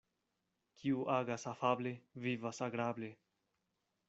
Kiu agas afable, vivas agrable.